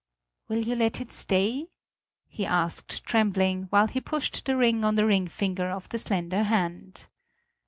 "Will you let it stay?" he asked trembling, while he pushed the ring on the ring finger of the slender hand.